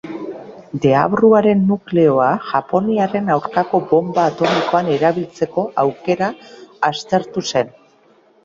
Deabruaren nukleoa Japoniaren aurkako bonba atomikoan erabiltzeko aukera aztertu zen.